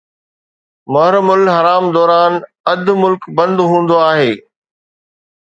محرم الحرام دوران اڌ ملڪ بند هوندو آهي.